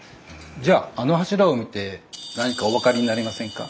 じゃああの柱を見て何かお分かりになりませんか？